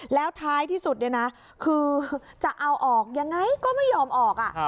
แล้วท้ายที่สุดเนี่ยนะคือจะเอาออกยังไงก็ไม่ยอมออก